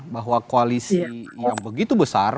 bahwa koalisi yang begitu besar